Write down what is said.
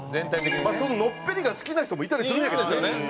そののっぺりが好きな人もいたりするんやけどね。